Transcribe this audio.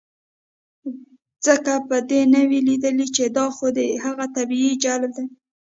ځکه به دې نۀ وي ليدلے چې دا خو د هغه طبعي جبلت دے